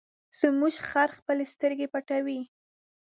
زموږ خر خپلې سترګې پټوي.